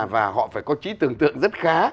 và họ phải có trí tưởng tượng rất khá